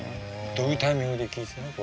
どういうタイミングで聴いてたの？